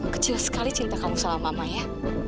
kecil sekali cinta kamu sama mamaya